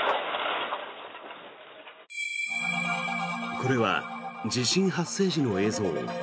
これは地震発生時の映像。